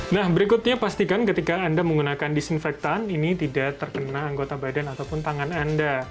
nah berikutnya pastikan ketika anda menggunakan disinfektan ini tidak terkena anggota badan ataupun tangan anda